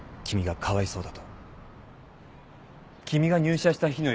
かわいそうだと。